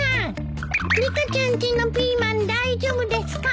リカちゃんちのピーマン大丈夫ですか？